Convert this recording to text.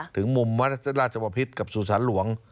ถึงมุมวัฒนราชบพิษกับสุสันหลวง